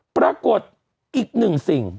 ปรากฏอีกหนึ่งสิ่ง